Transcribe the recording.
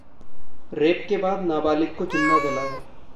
rape के बाद नाबालिग को जिंदा जलाया